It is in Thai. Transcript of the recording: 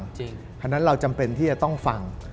เพราะฉะนั้นเราจำเป็นที่จะต้องฟัง